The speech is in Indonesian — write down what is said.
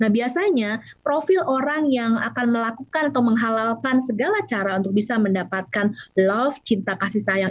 nah biasanya profil orang yang akan melakukan atau menghalalkan segala cara untuk bisa mendapatkan love cinta kasih sayang